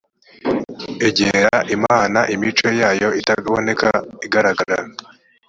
egera imana imico yayo itaboneka igaragara